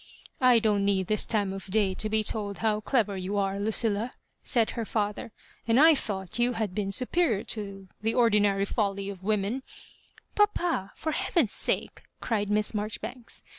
" I don't need at this time of day to be told how clever you are, Lucilla;" said her father, ''and I tiiought you had been superior to the ordinary folly df women ^"^*' Papa, for heaven's sake I" cried Miss Maijo ribanks.